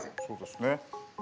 そうですね。